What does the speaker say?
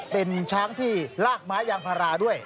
เป็นช้างที่ลากไม้ยางพาราด้วย